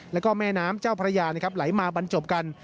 แล้วก็แม่น้ำเจ้าพระยานะครับไหลมาบรรจบกัน